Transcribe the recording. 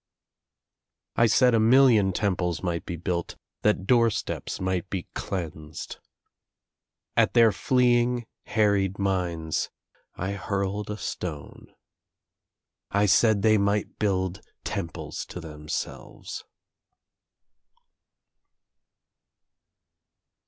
I said a million temples might be built, that door steps might be cleansed. At their fleeing harried minds I hurled a stone. I said they might build temples to themselves.